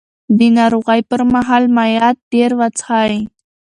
د ناروغۍ پر مهال مایعات ډېر وڅښئ.